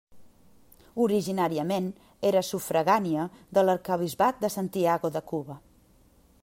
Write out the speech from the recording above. Originàriament era sufragània de l'arquebisbat de Santiago de Cuba.